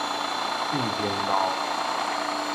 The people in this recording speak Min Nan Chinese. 貴興路